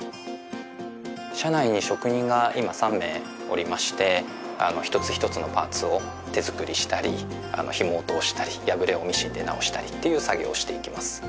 社内に職人が今３名おりましてあの一つ一つのパーツを手作りしたりヒモを通したり破れをミシンで直したりっていう作業をしていきます